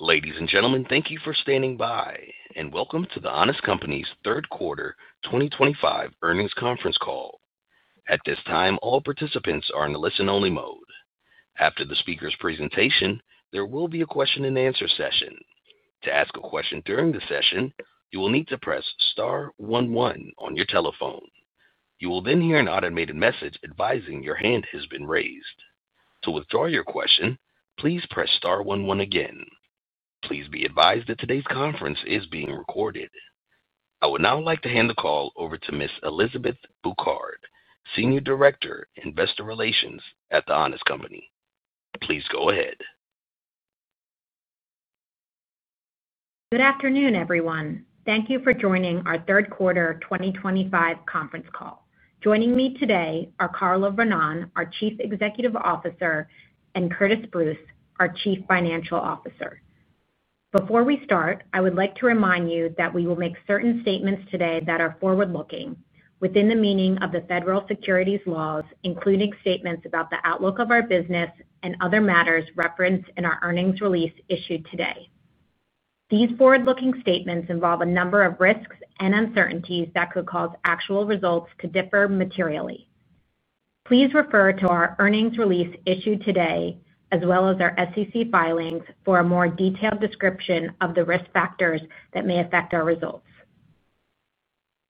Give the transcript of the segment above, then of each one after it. Ladies and gentlemen, thank you for standing by, and welcome to The Honest Company's third quarter 2025 earnings conference call. At this time, all participants are in the listen-only mode. After the speaker's presentation, there will be a question-and-answer session. To ask a question during the session, you will need to press star one one on your telephone. You will then hear an automated message advising your hand has been raised. To withdraw your question, please press star one one again. Please be advised that today's conference is being recorded. I would now like to hand the call over to Ms. Elizabeth Bouquard, Senior Director, Investor Relations at The Honest Company. Please go ahead. Good afternoon, everyone. Thank you for joining our third quarter 2025 conference call. Joining me today are Carla Vernón, our Chief Executive Officer, and Curtiss Bruce, our Chief Financial Officer. Before we start, I would like to remind you that we will make certain statements today that are forward-looking, within the meaning of the federal securities laws, including statements about the outlook of our business and other matters referenced in our earnings release issued today. These forward-looking statements involve a number of risks and uncertainties that could cause actual results to differ materially. Please refer to our earnings release issued today, as well as our SEC filings, for a more detailed description of the risk factors that may affect our results.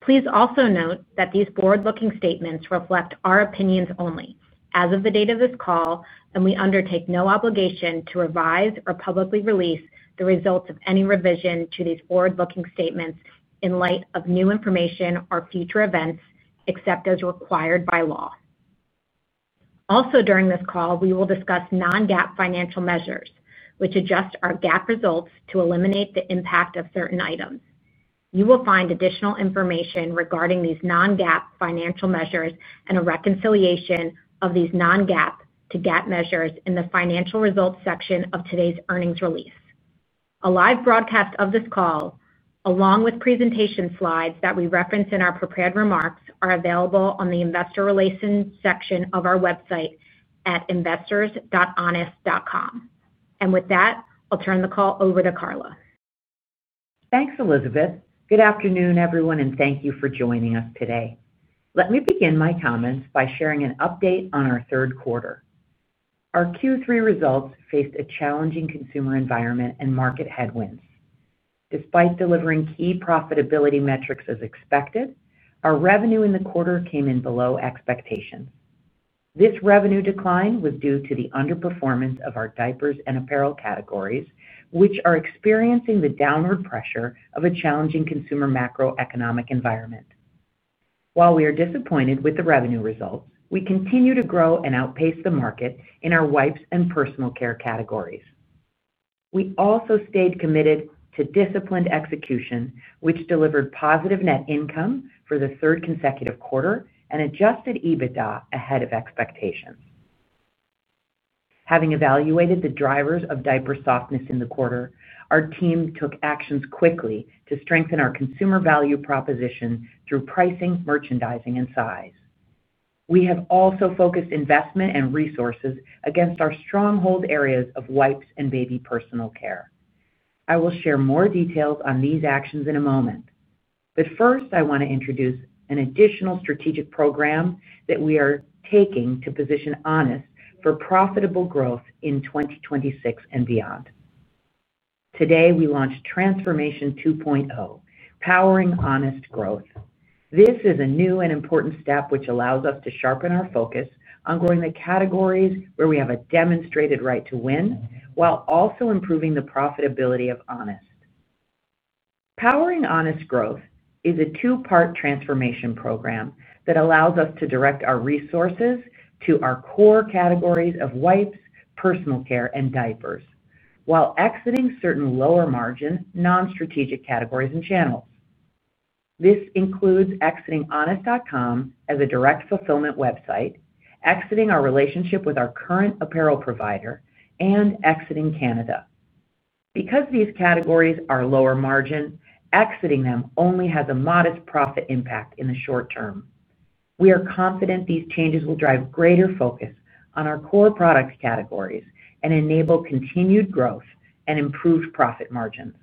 Please also note that these forward-looking statements reflect our opinions only as of the date of this call, and we undertake no obligation to revise or publicly release the results of any revision to these forward-looking statements in light of new information or future events, except as required by law. Also, during this call, we will discuss non-GAAP financial measures, which adjust our GAAP results to eliminate the impact of certain items. You will find additional information regarding these non-GAAP financial measures and a reconciliation of these non-GAAP to GAAP measures in the financial results section of today's earnings release. A live broadcast of this call, along with presentation slides that we reference in our prepared remarks, are available on the investor relations section of our website at investors.honest.com. With that, I'll turn the call over to Carla. Thanks, Elizabeth. Good afternoon, everyone, and thank you for joining us today. Let me begin my comments by sharing an update on our third quarter. Our Q3 results faced a challenging consumer environment and market headwinds. Despite delivering key profitability metrics as expected, our revenue in the quarter came in below expectations. This revenue decline was due to the underperformance of our Diapers and Apparel categories, which are experiencing the downward pressure of a challenging consumer macroeconomic environment. While we are disappointed with the revenue results, we continue to grow and outpace the market in our Wipes and Personal Care categories. We also stayed committed to disciplined execution, which delivered positive net income for the third consecutive quarter and adjusted EBITDA ahead of expectations. Having evaluated the drivers of diaper softness in the quarter, our team took actions quickly to strengthen our consumer value proposition through pricing, merchandising, and size. We have also focused investment and resources against our stronghold areas of Wipes and Baby Personal Care. I will share more details on these actions in a moment. First, I want to introduce an additional strategic program that we are taking to position Honest for profitable growth in 2026 and beyond. Today, we launched Transformation 2.0, Powering Honest Growth. This is a new and important step which allows us to sharpen our focus on growing the categories where we have a demonstrated right to win while also improving the profitability of Honest. Powering Honest Growth is a two-part transformation program that allows us to direct our resources to our core categories of Wipes, Personal Care, and Diapers, while exiting certain lower-margin, non-strategic categories and channels. This includes exiting honest.com as a direct fulfillment website, exiting our relationship with our current apparel provider, and exiting Canada. Because these categories are lower-margin, exiting them only has a modest profit impact in the short term. We are confident these changes will drive greater focus on our core product categories and enable continued growth and improved profit margins.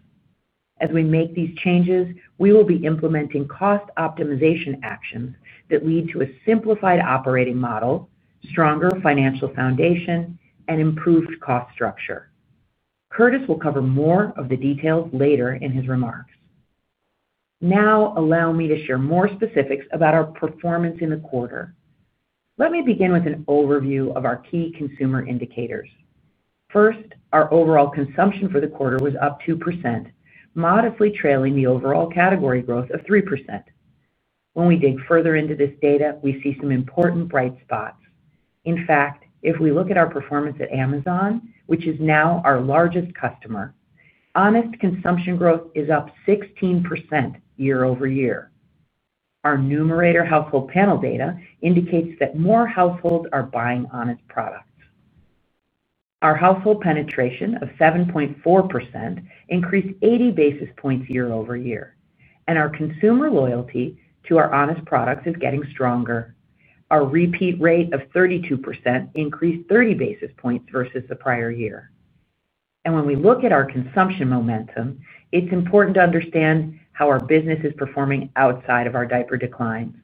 As we make these changes, we will be implementing cost optimization actions that lead to a simplified operating model, stronger financial foundation, and improved cost structure. Curtiss will cover more of the details later in his remarks. Now, allow me to share more specifics about our performance in the quarter. Let me begin with an overview of our key consumer indicators. First, our overall consumption for the quarter was up 2%. Modestly trailing the overall category growth of 3%. When we dig further into this data, we see some important bright spots. In fact, if we look at our performance at Amazon, which is now our largest customer, Honest consumption growth is up 16% year-over-year. Our numerator household panel data indicates that more households are buying Honest products. Our household penetration of 7.4% increased 80 basis points year-over-year, and our consumer loyalty to our Honest products is getting stronger. Our repeat rate of 32% increased 30 basis points versus the prior year. When we look at our consumption momentum, it is important to understand how our business is performing outside of our diaper declines.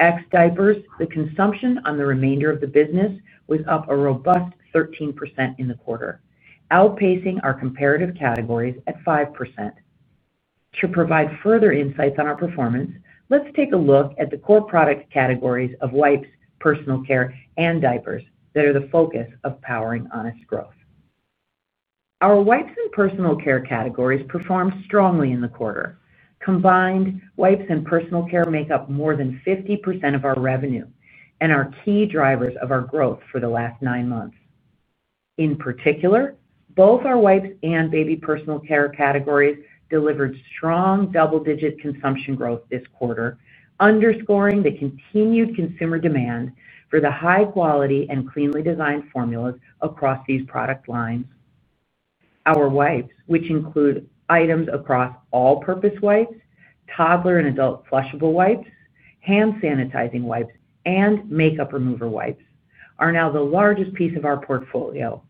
At Diapers, the consumption on the remainder of the business was up a robust 13% in the quarter, outpacing our comparative categories at 5%. To provide further insights on our performance, let's take a look at the core product categories of Wipes, Personal Care, and Diapers that are the focus of Powering Honest Growth. Our Wipes and Personal Care categories performed strongly in the quarter. Combined, Wipes and Personal Care make up more than 50% of our revenue and are key drivers of our growth for the last nine months. In particular, both our Wipes and Baby Personal Care categories delivered strong double-digit consumption growth this quarter, underscoring the continued consumer demand for the high-quality and cleanly designed formulas across these product lines. Our Wipes, which include items across all-purpose wipes, toddler and Adult Flushable Wipes, hand sanitizing wipes, and makeup remover wipes, are now the largest piece of our portfolio,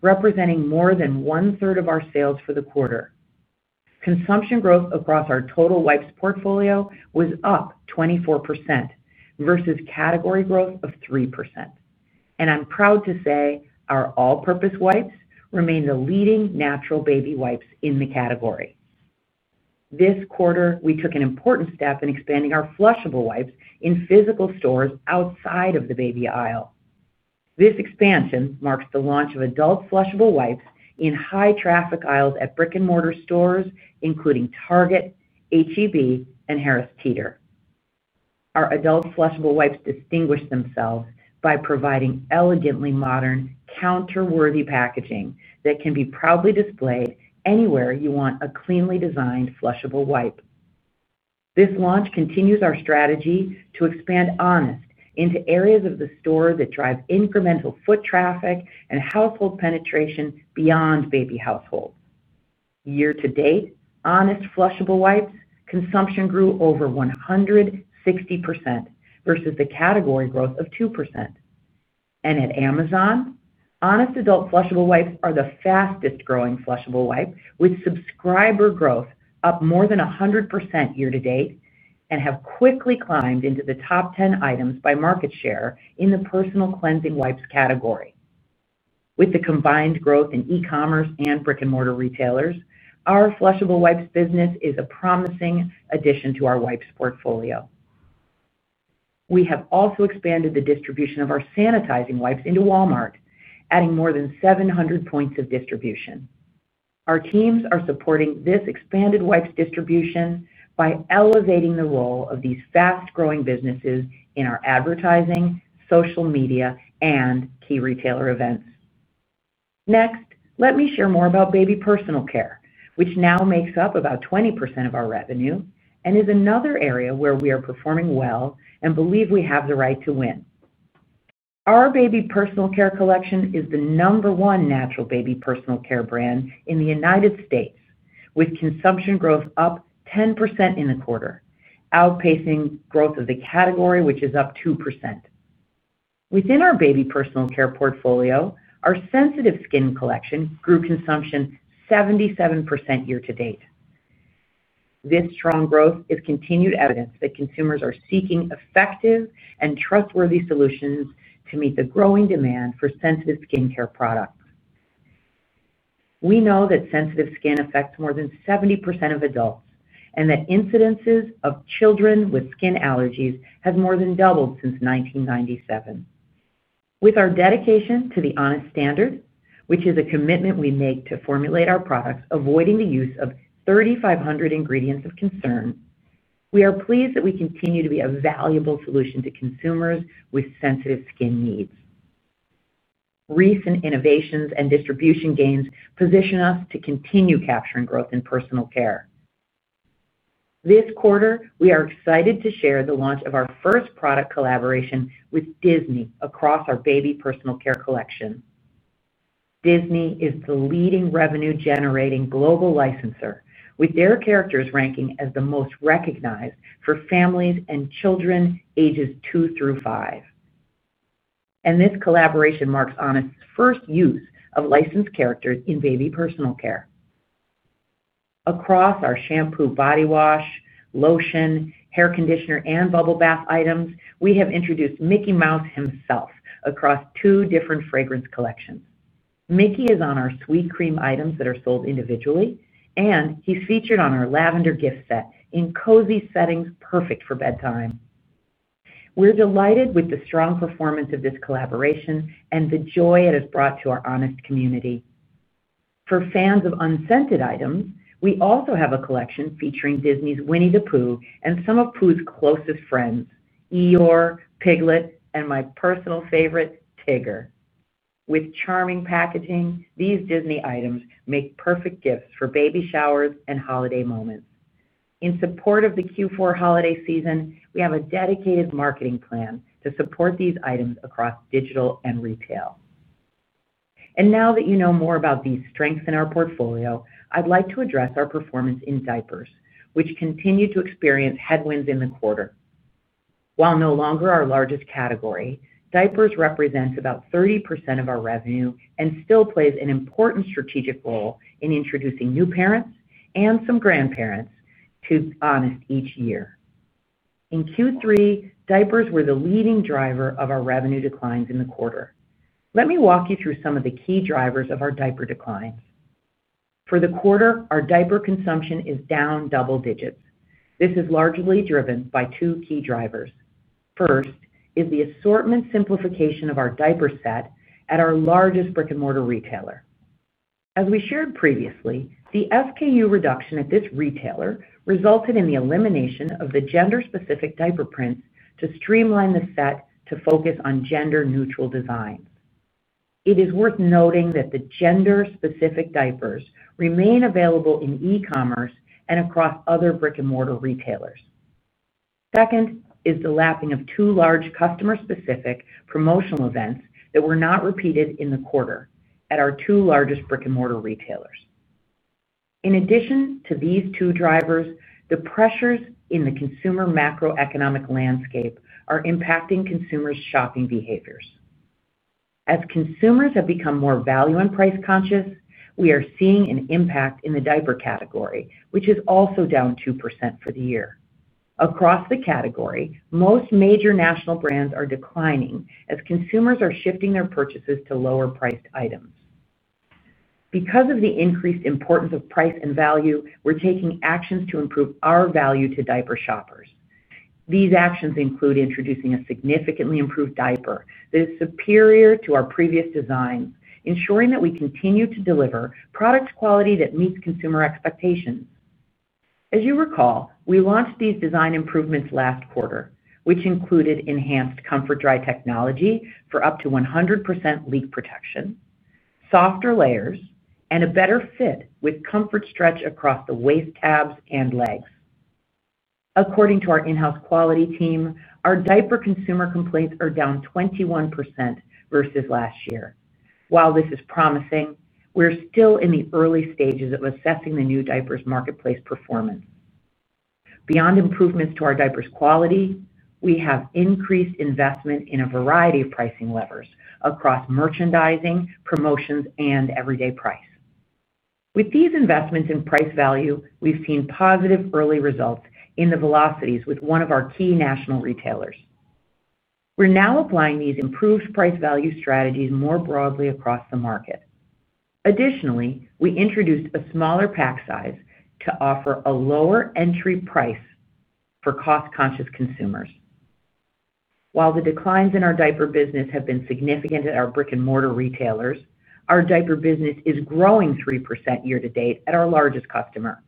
representing more than one-third of our sales for the quarter. Consumption growth across our total Wipes portfolio was up 24% versus category growth of 3%. I am proud to say our all-purpose wipes remain the leading natural baby wipes in the category. This quarter, we took an important step in expanding our flushable wipes in physical stores outside of the baby aisle. This expansion marks the launch of Adult Flushable Wipes in high-traffic aisles at brick-and-mortar stores including Target, H-E-B, and Harris Teeter. Our Adult Flushable Wipes distinguish themselves by providing elegantly modern, counter-worthy packaging that can be proudly displayed anywhere you want a cleanly designed flushable wipe. This launch continues our strategy to expand Honest into areas of the store that drive incremental foot traffic and household penetration beyond baby households. Year to date, Honest flushable wipes consumption grew over 160% versus the category growth of 2%. At Amazon, Honest Adult Flushable Wipes are the fastest-growing flushable wipe, with subscriber growth up more than 100% year to date and have quickly climbed into the top 10 items by market share in the personal cleansing wipes category. With the combined growth in e-commerce and brick-and-mortar retailers, our Flushable Wipes business is a promising addition to our Wipes portfolio. We have also expanded the distribution of our sanitizing wipes into Walmart, adding more than 700 points of distribution. Our teams are supporting this expanded wipes distribution by elevating the role of these fast-growing businesses in our advertising, social media, and key retailer events. Next, let me share more about Baby Personal Care, which now makes up about 20% of our revenue and is another area where we are performing well and believe we have the right to win. Our baby personal care collection is the number one natural baby personal care brand in the United States, with consumption growth up 10% in the quarter, outpacing growth of the category, which is up 2%. Within our Baby Personal Care portfolio, our sensitive skin collection grew consumption 77% year to date. This strong growth is continued evidence that consumers are seeking effective and trustworthy solutions to meet the growing demand for sensitive skin care products. We know that sensitive skin affects more than 70% of adults and that incidences of children with skin allergies have more than doubled since 1997. With our dedication to the Honest standard, which is a commitment we make to formulate our products avoiding the use of 3,500 ingredients of concern, we are pleased that we continue to be a valuable solution to consumers with sensitive skin needs. Recent innovations and distribution gains position us to continue capturing growth in personal care. This quarter, we are excited to share the launch of our first product collaboration with Disney across our baby personal care collection. Disney is the leading revenue-generating global licensor, with their characters ranking as the most recognized for families and children ages 2 through 5. This collaboration marks Honest's first use of licensed characters in Baby Personal Care. Across our shampoo, body wash, lotion, hair conditioner, and bubble bath items, we have introduced Mickey Mouse himself across two different fragrance collections. Mickey is on our sweet cream items that are sold individually, and he is featured on our lavender gift set in cozy settings perfect for bedtime. We are delighted with the strong performance of this collaboration and the joy it has brought to our Honest community. For fans of unscented items, we also have a collection featuring Disney's Winnie the Pooh and some of Pooh's closest friends, Eeyore, Piglet, and my personal favorite, Tigger. With charming packaging, these Disney items make perfect gifts for baby showers and holiday moments. In support of the Q4 holiday season, we have a dedicated marketing plan to support these items across digital and retail. Now that you know more about these strengths in our portfolio, I'd like to address our performance in Diapers, which continued to experience headwinds in the quarter. While no longer our largest category, Diapers represents about 30% of our revenue and still plays an important strategic role in introducing new parents and some grandparents to Honest each year. In Q3, Diapers were the leading driver of our revenue declines in the quarter. Let me walk you through some of the key drivers of our Diaper declines. For the quarter, our diaper consumption is down double digits. This is largely driven by two key drivers. First is the assortment simplification of our diaper set at our largest brick-and-mortar retailer. As we shared previously, the SKU reduction at this retailer resulted in the elimination of the gender-specific diaper prints to streamline the set to focus on gender-neutral designs. It is worth noting that the gender-specific diapers remain available in e-commerce and across other brick-and-mortar retailers. Second is the lapping of two large customer-specific promotional events that were not repeated in the quarter at our two largest brick-and-mortar retailers. In addition to these two drivers, the pressures in the consumer macroeconomic landscape are impacting consumers' shopping behaviors. As consumers have become more value and price conscious, we are seeing an impact in the Diaper category, which is also down 2% for the year. Across the category, most major national brands are declining as consumers are shifting their purchases to lower-priced items. Because of the increased importance of price and value, we're taking actions to improve our value to diaper shoppers. These actions include introducing a significantly improved diaper that is superior to our previous designs, ensuring that we continue to deliver product quality that meets consumer expectations. As you recall, we launched these design improvements last quarter, which included enhanced comfort dry technology for up to 100% leak protection, softer layers, and a better fit with comfort stretch across the waist tabs and legs. According to our in-house quality team, our diaper consumer complaints are down 21% versus last year. While this is promising, we're still in the early stages of assessing the new diapers' marketplace performance. Beyond improvements to our diapers' quality, we have increased investment in a variety of pricing levers across merchandising, promotions, and everyday price. With these investments in price value, we've seen positive early results in the velocities with one of our key national retailers. We're now applying these improved price value strategies more broadly across the market. Additionally, we introduced a smaller pack size to offer a lower entry price for cost-conscious consumers. While the declines in our Diaper business have been significant at our brick-and-mortar retailers, our Diaper business is growing 3% year to date at our largest customer.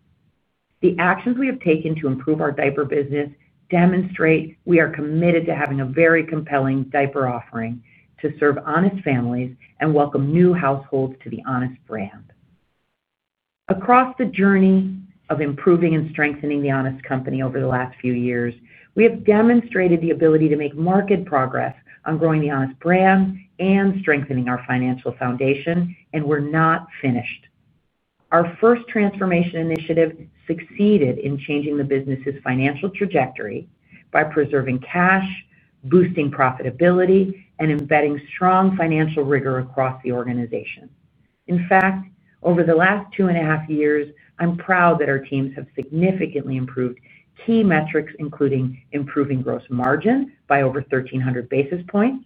The actions we have taken to improve our Diaper business demonstrate we are committed to having a very compelling diaper offering to serve Honest families and welcome new households to the Honest brand. Across the journey of improving and strengthening The Honest Company over the last few years, we have demonstrated the ability to make marked progress on growing the Honest brand and strengthening our financial foundation, and we're not finished. Our first transformation initiative succeeded in changing the business's financial trajectory by preserving cash, boosting profitability, and embedding strong financial rigor across the organization. In fact, over the last two and a half years, I'm proud that our teams have significantly improved key metrics, including improving gross margin by over 1,300 basis points,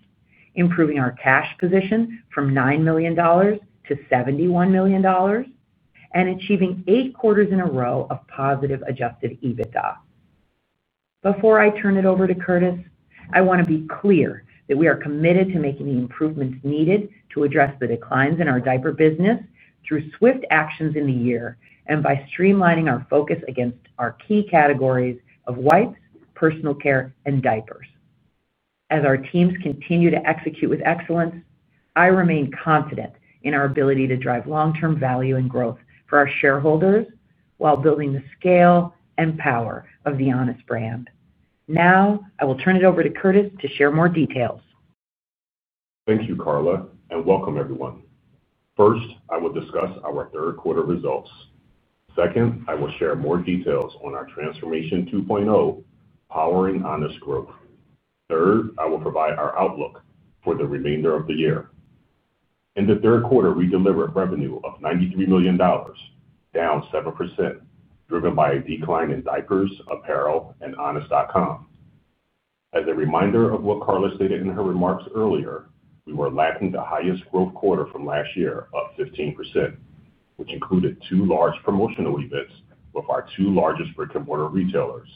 improving our cash position from $9 million to $71 million. Achieving eight quarters in a row of positive adjusted EBITDA. Before I turn it over to Curtiss, I want to be clear that we are committed to making the improvements needed to address the declines in our Diaper business through swift actions in the year and by streamlining our focus against our key categories of Wipes, Personal Care, and Diapers. As our teams continue to execute with excellence, I remain confident in our ability to drive long-term value and growth for our shareholders while building the scale and power of the Honest brand. Now, I will turn it over to Curtiss to share more details. Thank you, Carla, and welcome, everyone. First, I will discuss our third-quarter results. Second, I will share more details on our Transformation 2.0, Powering Honest Growth. Third, I will provide our outlook for the remainder of the year. In the third quarter, we delivered revenue of $93 million, down 7%, driven by a decline in Diapers, Apparel, and honest.com. As a reminder of what Carla stated in her remarks earlier, we were lacking the highest growth quarter from last year of 15%, which included two large promotional events with our two largest brick-and-mortar retailers.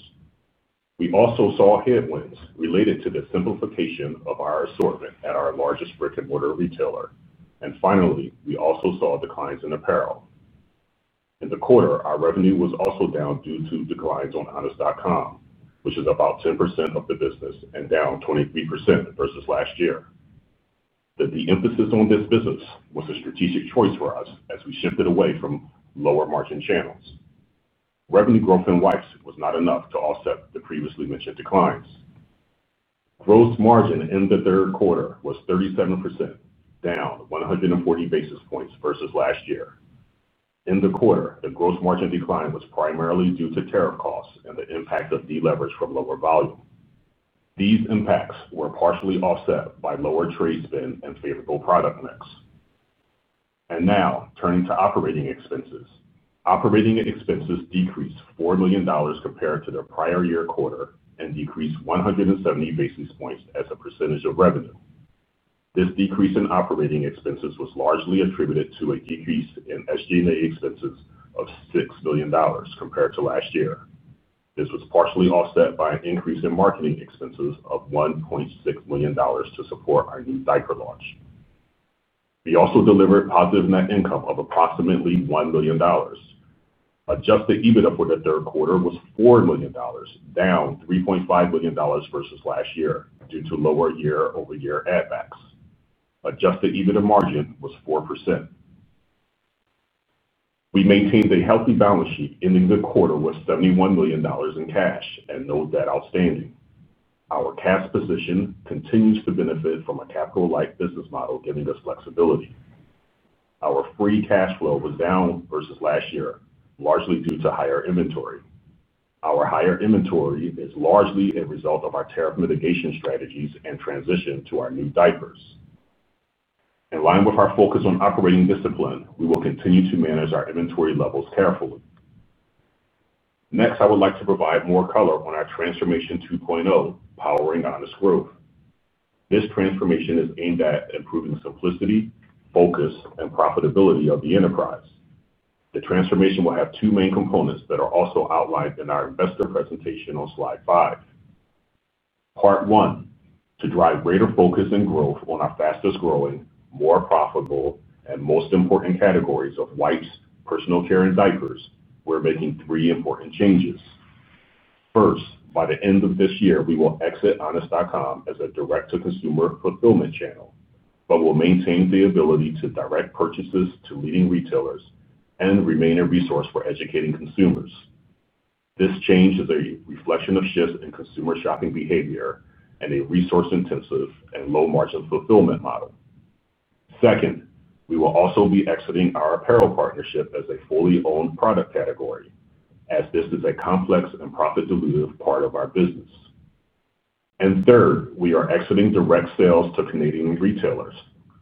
We also saw headwinds related to the simplification of our assortment at our largest brick-and-mortar retailer. Finally, we also saw declines in Apparel. In the quarter, our revenue was also down due to declines on honest.com, which is about 10% of the business and down 23% versus last year. The emphasis on this business was a strategic choice for us as we shifted away from lower-margin channels. Revenue growth in Wipes was not enough to offset the previously mentioned declines. Gross margin in the third quarter was 37%, down 140 basis points versus last year. In the quarter, the gross margin decline was primarily due to tariff costs and the impact of deleverage from lower volume. These impacts were partially offset by lower trade spend and favorable product mix. Now, turning to operating expenses. Operating expenses decreased $4 million compared to the prior year quarter and decreased 170 basis points as a percentage of revenue. This decrease in operating expenses was largely attributed to a decrease in SG&A expenses of $6 million compared to last year. This was partially offset by an increase in marketing expenses of $1.6 million to support our new diaper launch. We also delivered positive net income of approximately $1 million. Adjusted EBITDA for the third quarter was $4 million, down $3.5 million versus last year due to lower year-over-year add-backs. Adjusted EBITDA margin was 4%. We maintained a healthy balance sheet in the quarter with $71 million in cash and no debt outstanding. Our cash position continues to benefit from a capital-like business model, giving us flexibility. Our free cash flow was down versus last year, largely due to higher inventory. Our higher inventory is largely a result of our tariff mitigation strategies and transition to our new diapers. In line with our focus on operating discipline, we will continue to manage our inventory levels carefully. Next, I would like to provide more color on our Transformation 2.0, Powering Honest Growth. This transformation is aimed at improving simplicity, focus, and profitability of the enterprise. The transformation will have two main components that are also outlined in our investor presentation on slide five. Part one, to drive greater focus and growth on our fastest-growing, more profitable, and most important categories of Wipes, Personal Care, and Diapers, we're making three important changes. First, by the end of this year, we will exit honest.com as a direct-to-consumer fulfillment channel, but we'll maintain the ability to direct purchases to leading retailers and remain a resource for educating consumers. This change is a reflection of shifts in consumer shopping behavior and a resource-intensive and low-margin fulfillment model. Second, we will also be exiting our apparel partnership as a fully-owned product category, as this is a complex and profit-dilutive part of our business. Third, we are exiting direct sales to Canadian retailers.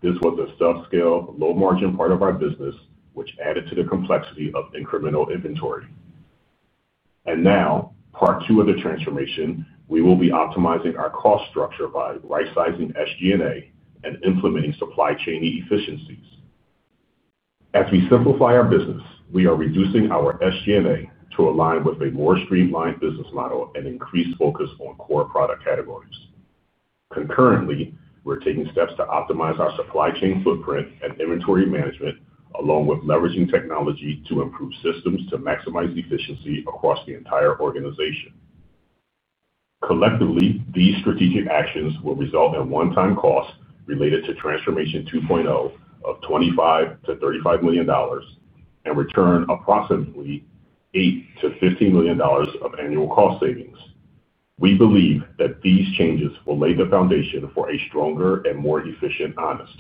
This was a subscale, low-margin part of our business, which added to the complexity of incremental inventory. Now, part two of the transformation, we will be optimizing our cost structure by right-sizing SG&A and implementing supply chain efficiencies. As we simplify our business, we are reducing our SG&A to align with a more streamlined business model and increased focus on core product categories. Concurrently, we're taking steps to optimize our supply chain footprint and inventory management, along with leveraging technology to improve systems to maximize efficiency across the entire organization. Collectively, these strategic actions will result in one-time costs related to Transformation 2.0 of $25 million-$35 million and return approximately $8 million-$15 million of annual cost savings. We believe that these changes will lay the foundation for a stronger and more efficient Honest.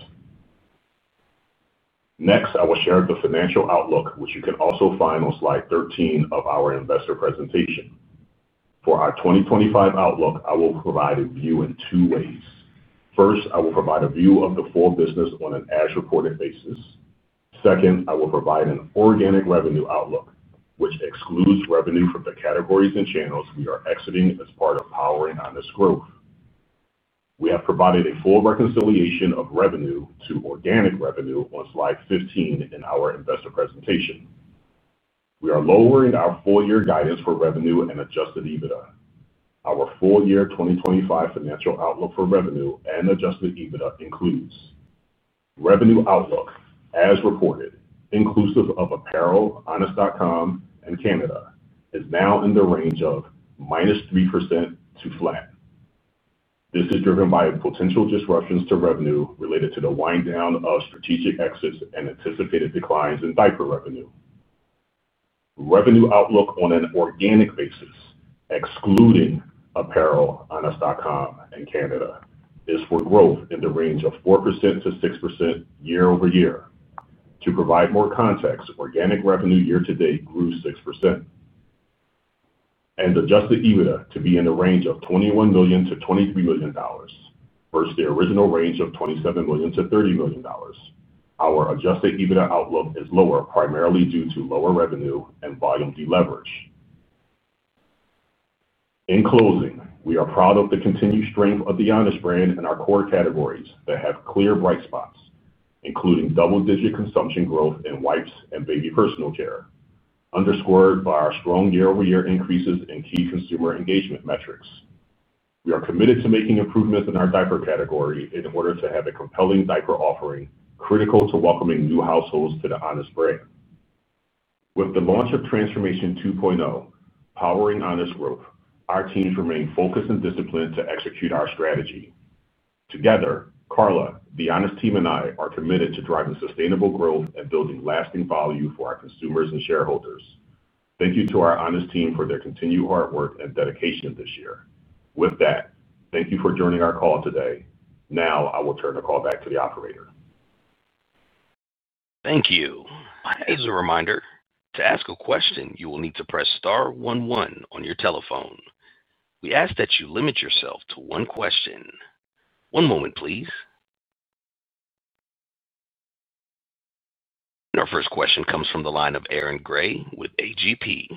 Next, I will share the financial outlook, which you can also find on slide 13 of our investor presentation. For our 2025 outlook, I will provide a view in two ways. First, I will provide a view of the full business on an as-reported basis. Second, I will provide an organic revenue outlook, which excludes revenue from the categories and channels we are exiting as part of Powering Honest Growth. We have provided a full reconciliation of revenue to organic revenue on slide 15 in our investor presentation. We are lowering our four-year guidance for revenue and adjusted EBITDA. Our four-year 2025 financial outlook for revenue and adjusted EBITDA includes. Revenue outlook, as reported, inclusive of apparel, honest.com, and Canada, is now in the range of -3% to flat. This is driven by potential disruptions to revenue related to the wind-down of strategic exits and anticipated declines in Diaper revenue. Revenue outlook on an organic basis, excluding Apparel, honest.com, and Canada, is for growth in the range of 4%-6% year-over-year. To provide more context, organic revenue year-to-date grew 6%. Adjusted EBITDA to be in the range of $21 million-$23 million, versus the original range of $27 million-$30 million. Our adjusted EBITDA outlook is lower primarily due to lower revenue and volume deleverage. In closing, we are proud of the continued strength of the Honest brand and our core categories that have clear bright spots, including double-digit consumption growth in Wipes and Baby Personal Care, underscored by our strong year-over-year increases in key consumer engagement metrics. We are committed to making improvements in our Diaper category in order to have a compelling diaper offering critical to welcoming new households to the Honest brand. With the launch of Transformation 2.0, Powering Honest Growth, our teams remain focused and disciplined to execute our strategy. Together, Carla, the Honest team, and I are committed to driving sustainable growth and building lasting value for our consumers and shareholders. Thank you to our Honest team for their continued hard work and dedication this year. With that, thank you for joining our call today. Now, I will turn the call back to the operator. Thank you. As a reminder, to ask a question, you will need to press star one one on your telephone. We ask that you limit yourself to one question. One moment, please. Our first question comes from the line of Aaron Gray with A.G.P.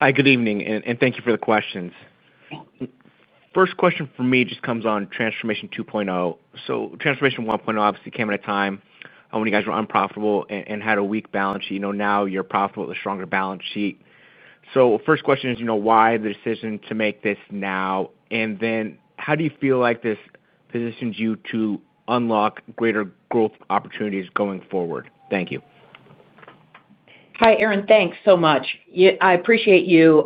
Hi, good evening, and thank you for the questions. First question for me just comes on Transformation 2.0. Transformation 1.0 obviously came at a time when you guys were unprofitable and had a weak balance sheet. Now you're profitable with a stronger balance sheet. First question is why the decision to make this now? How do you feel like this positions you to unlock greater growth opportunities going forward? Thank you. Hi, Aaron. Thanks so much. I appreciate you.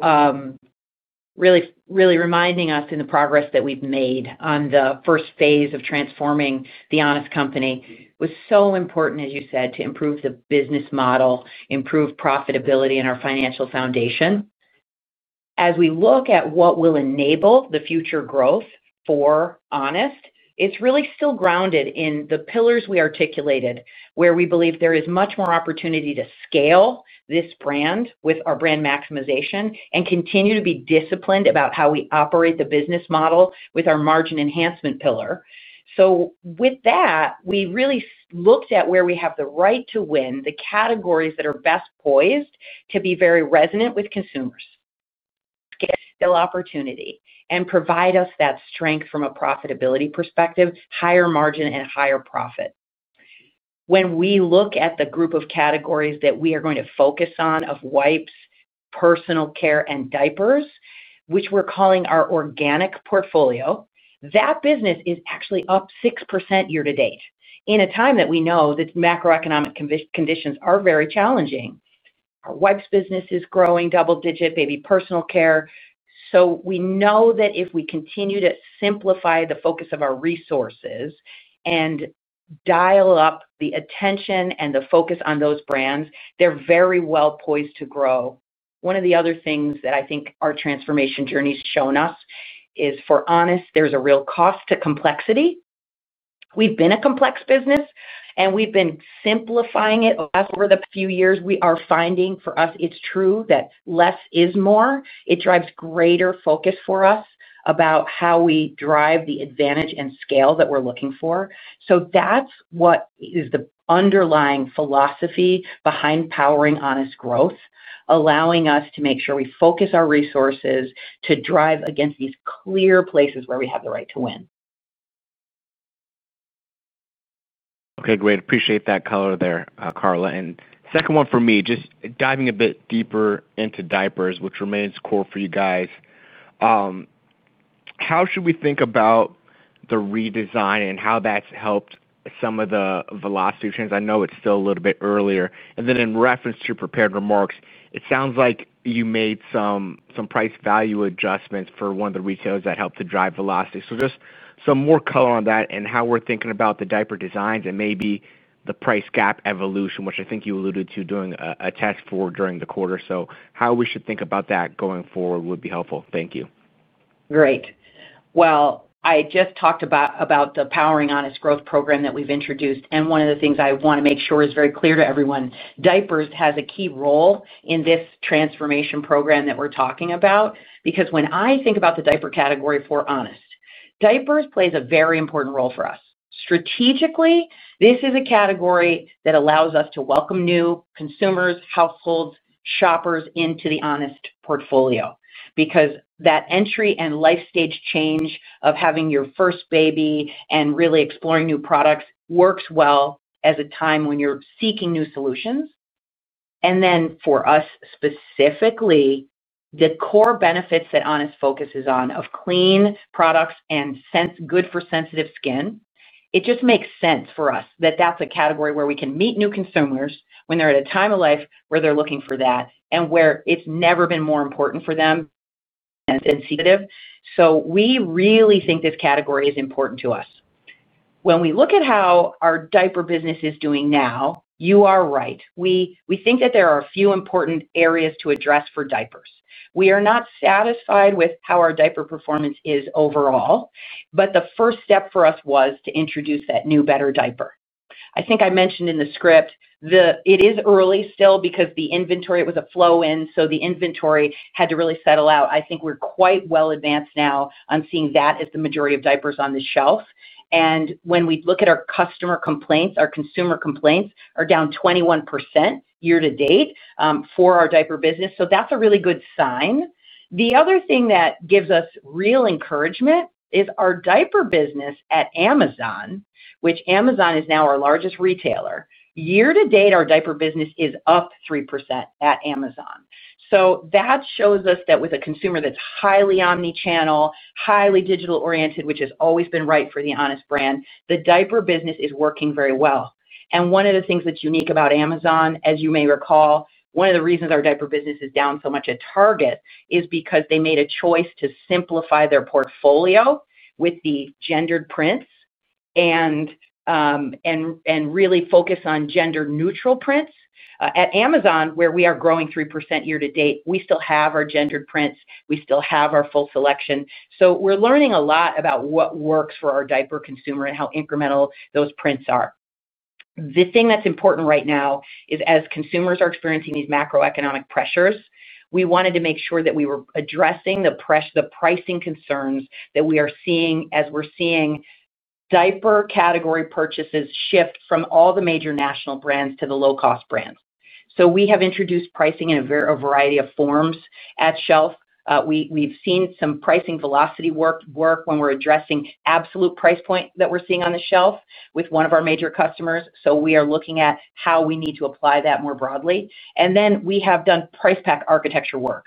Really reminding us in the progress that we've made on the first phase of transforming The Honest Company. It was so important, as you said, to improve the business model, improve profitability, and our financial foundation. As we look at what will enable the future growth for Honest, it's really still grounded in the pillars we articulated, where we believe there is much more opportunity to scale this brand with our brand maximization and continue to be disciplined about how we operate the business model with our margin enhancement pillar. With that, we really looked at where we have the right to win, the categories that are best poised to be very resonant with consumers. Scale opportunity and provide us that strength from a profitability perspective, higher margin, and higher profit. When we look at the group of categories that we are going to focus on of Wipes, Personal Care, and Diapers, which we are calling our organic portfolio, that business is actually up 6% year-to-date in a time that we know that macroeconomic conditions are very challenging. Our Wipes business is growing double-digit, Baby Personal Care. We know that if we continue to simplify the focus of our resources and dial up the attention and the focus on those brands, they are very well poised to grow. One of the other things that I think our transformation journey has shown us is for Honest, there is a real cost to complexity. We have been a complex business, and we have been simplifying it over the few years. We are finding for us, it is true that less is more. It drives greater focus for us about how we drive the advantage and scale that we're looking for. That is what is the underlying philosophy behind Powering Honest Growth, allowing us to make sure we focus our resources to drive against these clear places where we have the right to win. Okay, great. Appreciate that color there, Carla. Second one for me, just diving a bit deeper into Diapers, which remains core for you guys. How should we think about the redesign and how that's helped some of the velocity trends? I know it's still a little bit earlier. In reference to prepared remarks, it sounds like you made some price value adjustments for one of the retailers that helped to drive velocity. Just some more color on that and how we're thinking about the diaper designs and maybe the price gap evolution, which I think you alluded to doing a test for during the quarter. How we should think about that going forward would be helpful. Thank you. Great. I just talked about the Powering Honest Growth program that we've introduced. One of the things I want to make sure is very clear to everyone, diapers has a key role in this transformation program that we're talking about. Because when I think about the Diaper category for Honest, diapers plays a very important role for us. Strategically, this is a category that allows us to welcome new consumers, households, shoppers into the Honest portfolio because that entry and life stage change of having your first baby and really exploring new products works well as a time when you're seeking new solutions. For us specifically, the core benefits that Honest focuses on of clean products and good for sensitive skin, it just makes sense for us that that's a category where we can meet new consumers when they're at a time of life where they're looking for that and where it's never been more important for them. Sensitive. We really think this category is important to us. When we look at how our Diaper business is doing now, you are right. We think that there are a few important areas to address for diapers. We are not satisfied with how our Diaper performance is overall, but the first step for us was to introduce that new, better diaper. I think I mentioned in the script, it is early still because the inventory, it was a flow-in, so the inventory had to really settle out. I think we're quite well advanced now on seeing that as the majority of diapers on the shelf. When we look at our customer complaints, our consumer complaints are down 21% year-to-date for our Diaper business. That's a really good sign. The other thing that gives us real encouragement is our Diaper business at Amazon, which Amazon is now our largest retailer. Year-to-date, our Diaper business is up 3% at Amazon. That shows us that with a consumer that's highly omnichannel, highly digital-oriented, which has always been right for the Honest brand, the Diaper business is working very well. One of the things that's unique about Amazon, as you may recall, one of the reasons our Diaper business is down so much at Target is because they made a choice to simplify their portfolio with the gendered prints and really focus on gender-neutral prints. At Amazon, where we are growing 3% year-to-date, we still have our gendered prints. We still have our full selection. We're learning a lot about what works for our diaper consumer and how incremental those prints are. The thing that's important right now is as consumers are experiencing these macroeconomic pressures, we wanted to make sure that we were addressing the pricing concerns that we are seeing as we're seeing. Diaper category purchases shift from all the major national brands to the low-cost brands. We have introduced pricing in a variety of forms at shelf. We have seen some pricing velocity work when we are addressing absolute price points that we are seeing on the shelf with one of our major customers. We are looking at how we need to apply that more broadly. We have done price pack architecture work.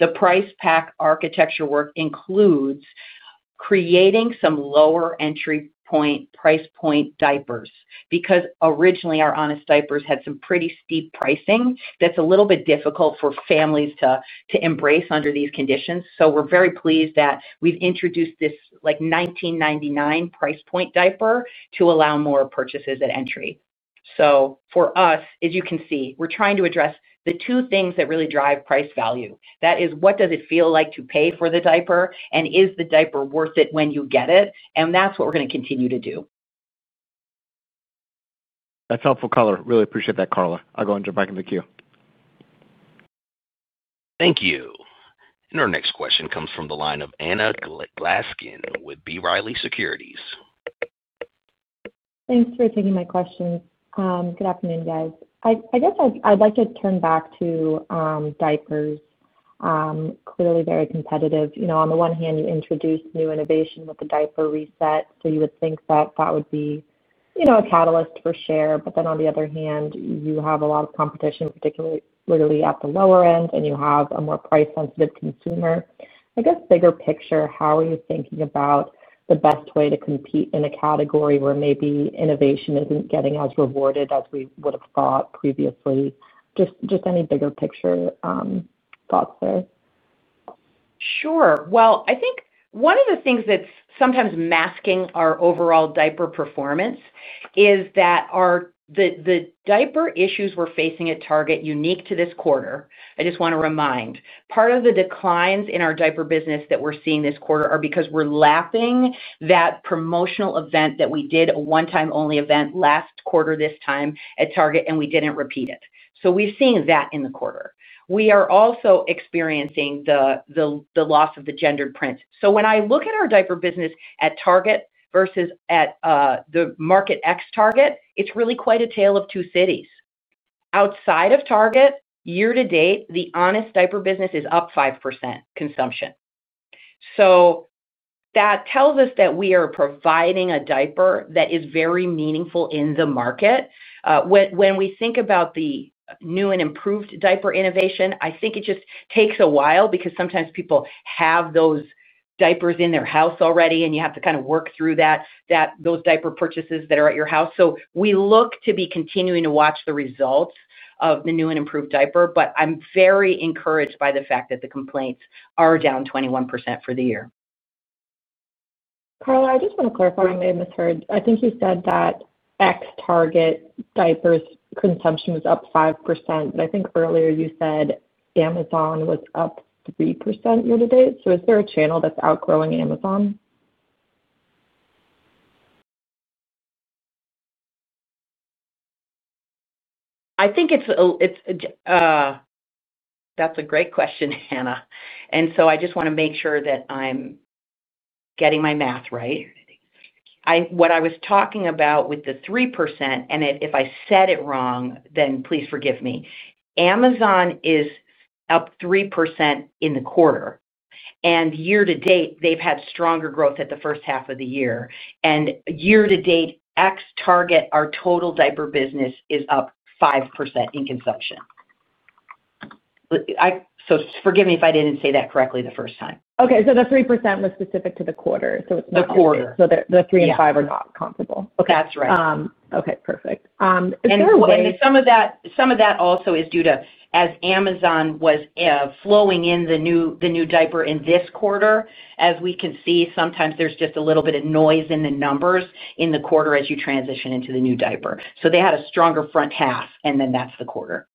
The price pack architecture work includes creating some lower entry point price point diapers because originally our Honest diapers had some pretty steep pricing that is a little bit difficult for families to embrace under these conditions. We are very pleased that we have introduced this $19.99 price point diaper to allow more purchases at entry. For us, as you can see, we are trying to address the two things that really drive price value. That is, what does it feel like to pay for the diaper, and is the diaper worth it when you get it? That's what we're going to continue to do. That's helpful color. Really appreciate that, Carla. I'll go and jump back in the queue. Thank you. Our next question comes from the line of Anna Glaessgen with B. Riley Securities. Thanks for taking my questions. Good afternoon, guys. I guess I'd like to turn back to Diapers. Clearly very competitive. On the one hand, you introduced new innovation with the diaper reset. You would think that that would be a catalyst for share. Then on the other hand, you have a lot of competition, particularly at the lower end, and you have a more price-sensitive consumer. I guess bigger picture, how are you thinking about the best way to compete in a category where maybe innovation isn't getting as rewarded as we would have thought previously? Just any bigger picture thoughts there? Sure. I think one of the things that's sometimes masking our overall Diaper performance is that the diaper issues we're facing at Target are unique to this quarter. I just want to remind, part of the declines in our Diaper business that we're seeing this quarter are because we're lapping that promotional event that we did, a one-time-only event last quarter this time at Target, and we didn't repeat it. We've seen that in the quarter. We are also experiencing the loss of the gendered print. When I look at our Diaper business at Target versus at the market ex-Target, it's really quite a tale of two cities. Outside of Target, year-to-date, the Honest Diaper business is up 5% consumption. That tells us that we are providing a diaper that is very meaningful in the market. When we think about the new and improved diaper innovation, I think it just takes a while because sometimes people have those diapers in their house already, and you have to kind of work through those diaper purchases that are at your house. We look to be continuing to watch the results of the new and improved diaper, but I'm very encouraged by the fact that the complaints are down 21% for the year. Carla, I just want to clarify I may have misheard. I think you said that ex-Target diapers consumption was up 5%, but I think earlier you said Amazon was up 3% year-to-date. Is there a channel that's outgrowing Amazon? I think it's. A great question, Anna. I just want to make sure that I'm getting my math right. What I was talking about with the 3%, and if I said it wrong, then please forgive me. Amazon is up 3% in the quarter. Year-to-date, they've had stronger growth at the first half of the year. Year-to-date, ex-Target, our total Diaper business is up 5% in consumption. Forgive me if I didn't say that correctly the first time. The 3% was specific to the quarter. The three and five are not comparable. That's right. Perfect. Is there a way? Some of that also is due to, as Amazon was flowing in the new diaper in this quarter, as we can see, sometimes there's just a little bit of noise in the numbers in the quarter as you transition into the new diaper. They had a stronger front half, and then that's the quarter.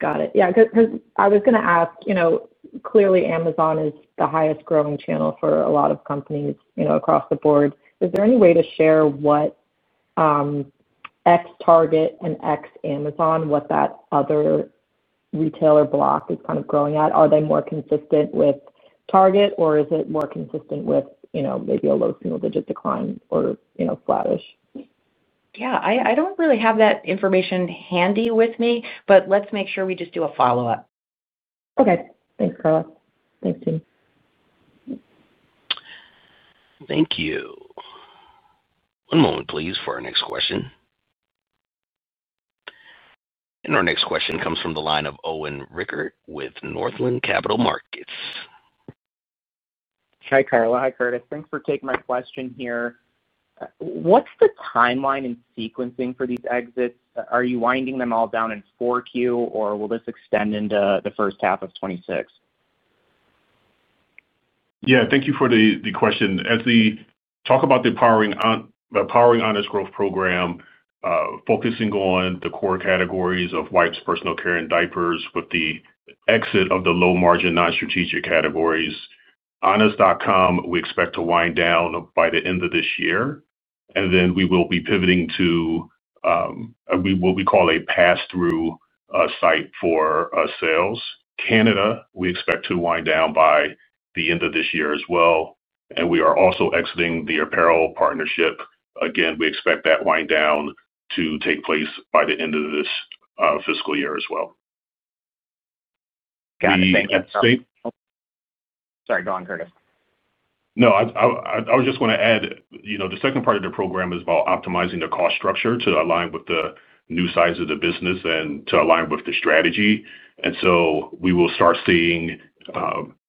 Got it. Yeah. Because I was going to ask. Clearly, Amazon is the highest-growing channel for a lot of companies across the board. Is there any way to share what, ex-Target and ex-Amazon, what that other retailer block is kind of growing at? Are they more consistent with Target, or is it more consistent with maybe a low single-digit decline or flattish? Yeah. I don't really have that information handy with me, but let's make sure we just do a follow-up. Okay. Thanks, Carla. Thanks, team. Thank you. One moment, please, for our next question. Our next question comes from the line of Owen Rickert with Northland Capital Markets. Hi, Carla. Hi, Curtiss. Thanks for taking my question here. What's the timeline and sequencing for these exits? Are you winding them all down in Q4, or will this extend into the first half of 2026? Yeah. Thank you for the question. As we talk about the Powering Honest Growth program, focusing on the core categories of Wipes, Personal Care, and Diapers with the exit of the low-margin, non-strategic categories, honest.com, we expect to wind down by the end of this year. We will be pivoting to what we call a pass-through site for sales. Canada, we expect to wind down by the end of this year as well. We are also exiting the apparel partnership. Again, we expect that wind down to take place by the end of this fiscal year as well. Got it. Thank you. Sorry, go on, Curtiss. No, I was just going to add the second part of the program is about optimizing the cost structure to align with the new size of the business and to align with the strategy. We will start seeing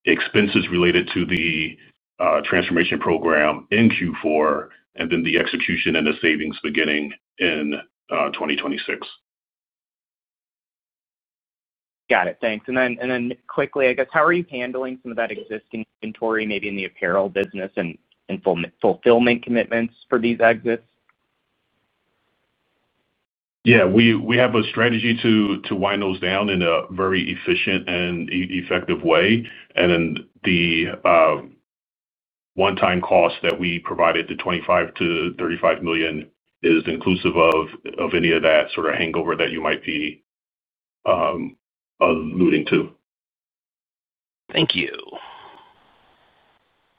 expenses related to the transformation program in Q4 and then the execution and the savings beginning in 2026. Got it. Thanks. And then quickly, I guess, how are you handling some of that existing inventory, maybe in the Apparel business and fulfillment commitments for these exits? Yeah. We have a strategy to wind those down in a very efficient and effective way. And then the one-time cost that we provided, the $25 million-$35 million, is inclusive of any of that sort of hangover that you might be alluding to. Thank you.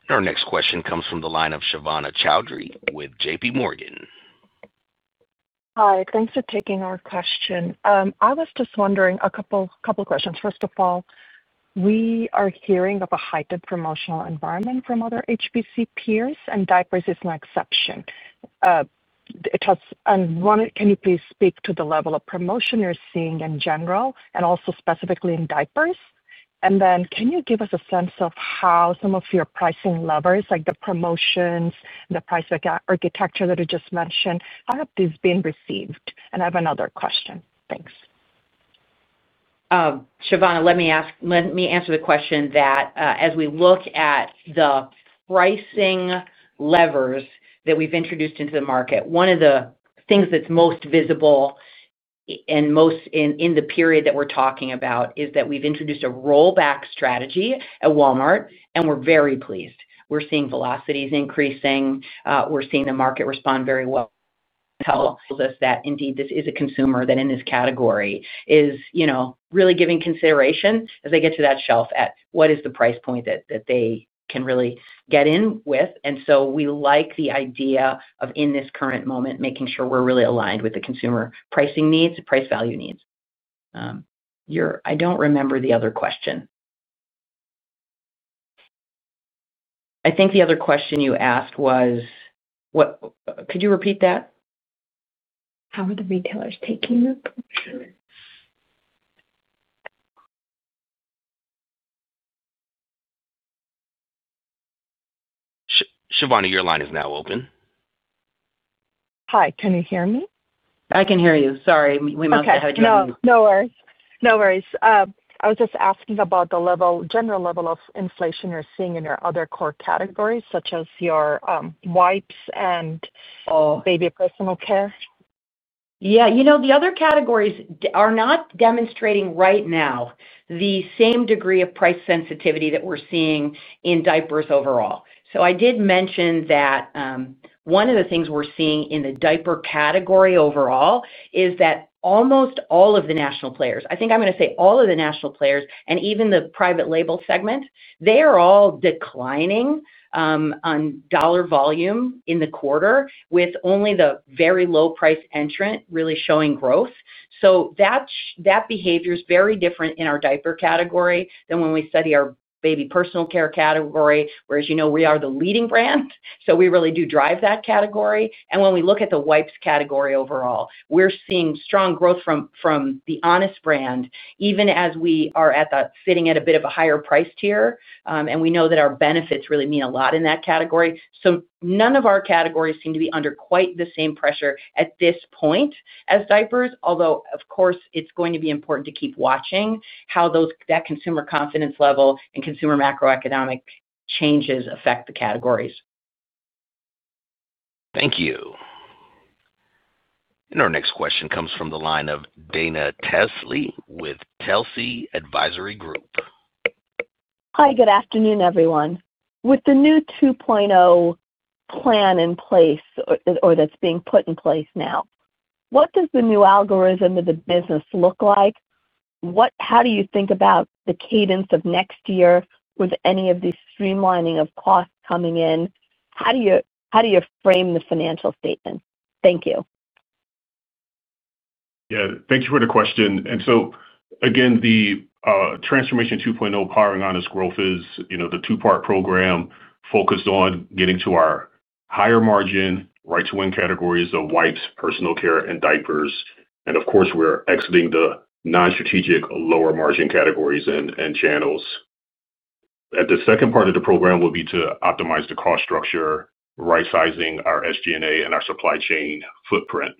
Our next question comes from the line of Shovana Chowdhury with JPMorgan. Hi. Thanks for taking our question. I was just wondering a couple of questions. First of all, we are hearing of a heightened promotional environment from other [HBC] peers, and diapers is no exception. Can you please speak to the level of promotion you're seeing in general and also specifically in Diapers? Can you give us a sense of how some of your pricing levels, like the promotions and the price architecture that I just mentioned, how have these been received? I have another question. Thanks. Shovana, let me answer the question that as we look at the pricing levers that we've introduced into the market, one of the things that's most visible and most in the period that we're talking about is that we've introduced a rollback strategy at Walmart, and we're very pleased. We're seeing velocities increasing. We're seeing the market respond very well. It tells us that indeed this is a consumer that in this category is really giving consideration as they get to that shelf, at what is the price point that they can really get in with? I like the idea of, in this current moment, making sure we're really aligned with the consumer pricing needs, price value needs. I don't remember the other question. I think the other question you asked was, could you repeat that? How are the retailers taking the— Shovana, your line is now open. Hi. Can you hear me? I can hear you. Sorry. We must have had a challenge. Okay. No worries. No worries. I was just asking about the general level of inflation you're seeing in your other core categories, such as your Wipes and Baby Personal Care. Yeah. The other categories are not demonstrating right now the same degree of price sensitivity that we're seeing in diapers overall. I did mention that one of the things we're seeing in the Diaper category overall is that almost all of the national players—I think I'm going to say all of the national players and even the private label segment—they are all declining on dollar volume in the quarter, with only the very low-priced entrant really showing growth. That behavior is very different in our Diaper category than when we study our Baby Personal Care category, whereas we are the leading brand. We really do drive that category. When we look at the Wipes category overall, we're seeing strong growth from the Honest brand, even as we are sitting at a bit of a higher price tier. We know that our benefits really mean a lot in that category. None of our categories seem to be under quite the same pressure at this point as Diapers, although, of course, it's going to be important to keep watching how that consumer confidence level and consumer macroeconomic changes affect the categories. Thank you. Our next question comes from the line of Dana Telsey with Telsey Advisory Group. Hi. Good afternoon, everyone. With the new 2.0 plan in place or that's being put in place now, what does the new algorithm of the business look like? How do you think about the cadence of next year with any of the streamlining of costs coming in? How do you frame the financial statements? Thank you. Yeah. Thank you for the question. Again, the Transformation 2.0 Powering Honest Growth is the two-part program focused on getting to our higher-margin, right-to-win categories of Wipes, Personal Care, and Diapers. Of course, we're exiting the non-strategic lower-margin categories and channels. The second part of the program will be to optimize the cost structure, right-sizing our SG&A and our supply chain footprint.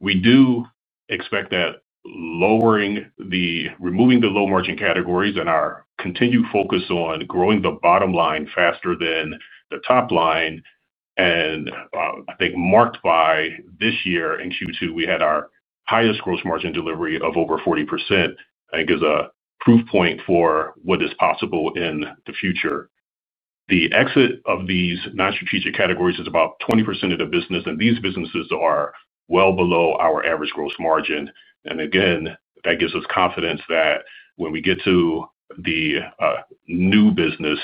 We do expect that removing the low-margin categories and our continued focus on growing the bottom line faster than the top line, and I think marked by this year in Q2, we had our highest gross margin delivery of over 40%, I think, is a proof point for what is possible in the future. The exit of these non-strategic categories is about 20% of the business, and these businesses are well below our average gross margin. That gives us confidence that when we get to the new business,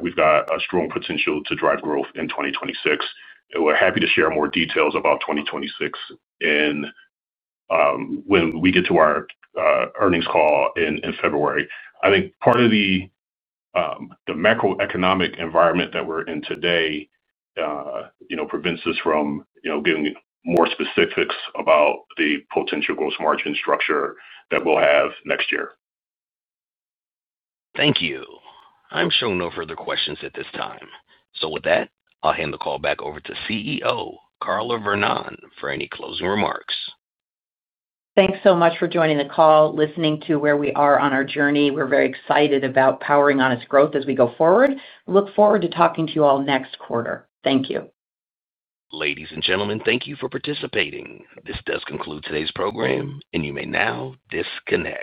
we have a strong potential to drive growth in 2026. We are happy to share more details about 2026 when we get to our earnings call in February. I think part of the macroeconomic environment that we are in today prevents us from giving more specifics about the potential gross margin structure that we will have next year. Thank you. I am showing no further questions at this time. With that, I will hand the call back over to CEO Carla Vernón for any closing remarks. Thanks so much for joining the call, listening to where we are on our journey. We are very excited about Powering Honest Growth as we go forward. Look forward to talking to you all next quarter. Thank you. Ladies and gentlemen, thank you for participating. This does conclude today's program, and you may now disconnect.